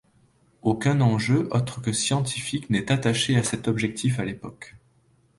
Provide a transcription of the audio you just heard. Aucun enjeu autre que scientifique n'est attaché à cet objectif à l'époque.